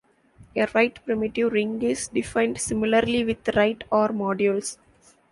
A right primitive ring is defined similarly with right "R"-modules.